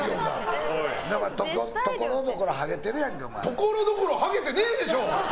ところどころハゲてないでしょ！